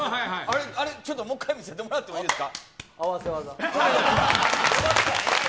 あれ、ちょっともう一回見せてもらってもいいですか？